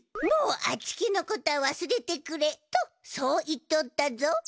「もうあちきのことはわすれてくれ」とそう言っておったぞ。